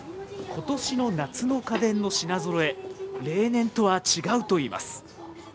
ことしの夏の家電の品ぞろえ、例年とは違うといいます。